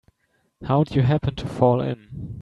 How'd you happen to fall in?